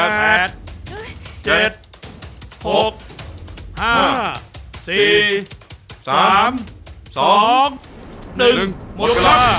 เขาเชิญคู่แรกออกมาเลยครับ